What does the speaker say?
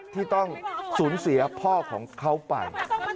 ที่ต้องสูญเสียพ่อของเขาไป